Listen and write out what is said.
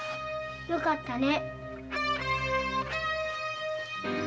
よかったね。